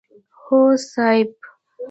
هو صيب!